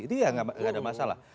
itu ya nggak ada masalah